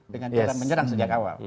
dengan cara menyerang sejak awal